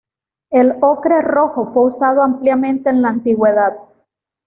El ocre rojo fue usado ampliamente en la antigüedad.